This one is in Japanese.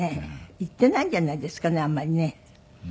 言っていないんじゃないですかねあんまりね。